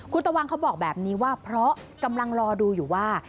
คุณตะวันเขาบอกแบบนี้ว่าเพราะกำลังรอดูอยู่ว่า